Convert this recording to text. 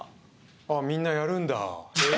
あみんなやるんだ。